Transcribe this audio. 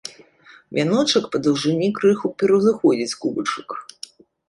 Вяночак па даўжыні крыху пераўзыходзіць кубачак.